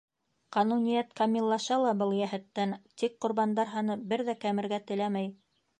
Ҡануниәт камиллаша ла был йәһәттән, тик ҡорбандар һаны бер ҙә кәмергә теләмәй.